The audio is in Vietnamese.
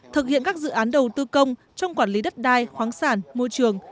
thực hiện các dự án đầu tư công trong quản lý đất đai khoáng sản môi trường